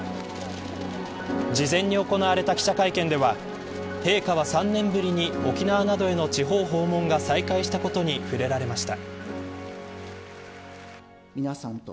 事前に行われた記者会見では陛下は、３年ぶりに沖縄などへの地方訪問が再開したことに触れられました。